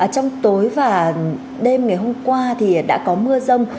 trong tối và đêm ngày hôm qua thì đã có mưa rông